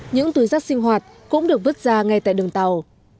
những tuyến sắt sinh hoạt cũng được vứt ra ngay tại đường tàu